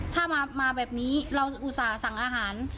ถ้ามาแบบนี้เราอุตส่าห์สั่งอาหาร